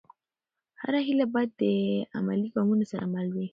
هره هېله باید د عملي ګامونو سره مل وي.